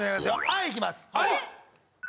Ｉいきます